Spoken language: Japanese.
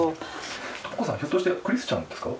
ひょっとしてクリスチャンですか？